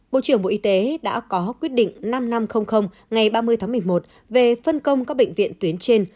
bộ trưởng bộ y tế đã có quyết định năm nghìn năm trăm linh ngày ba mươi tháng một mươi một về phân công các bệnh viện tuyến trên